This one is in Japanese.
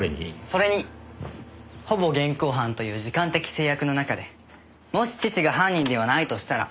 それにほぼ現行犯という時間的制約の中でもし父が犯人ではないとしたら。